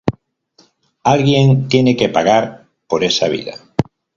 Alguien tiene que pagar por esa vida.